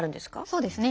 そうですね。